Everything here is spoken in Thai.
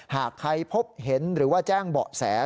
หากใครพบเห็นหรือว่าแจ้งเบาะแส